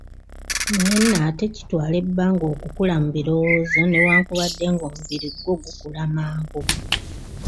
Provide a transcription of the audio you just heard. Naye nno ate kitwala ebbanga okukula mu birowoozo, newankubadde ng'omubiri gwo gukula mangu.